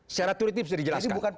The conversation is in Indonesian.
secara teori bisa dijelaskan